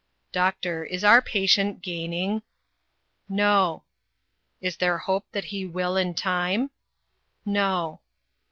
" Doctor, is our patient gaining ?" No." "Is there hope that he will in time?" "No."